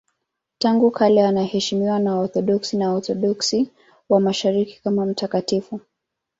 Tangu kale anaheshimiwa na Waorthodoksi na Waorthodoksi wa Mashariki kama mtakatifu.